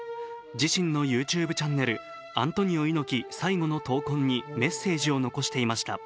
自身のＹｏｕＴｕｂｅチャンネル最後の闘魂にメッセージを残していました。